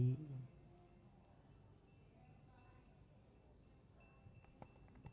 ด้วยทุกคน